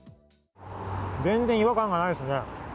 全然違和感がないですね。